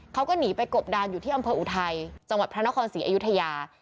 เขาก็หนีไปกบดานอยู่ที่อำเภออุทัยจังหวัดพระนครศรีอยุธยา